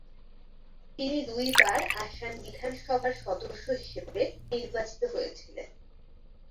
তিনি দুইবার আসাম বিধানসভার সদস্য হিসেবে নির্বাচিত হয়েছিলেন।